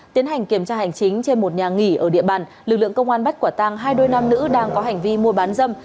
tiến hành kiểm tra hành chính trên một nhà nghỉ ở địa bàn lực lượng công an bắt quả tang hai đôi nam nữ đang có hành vi mua bán dâm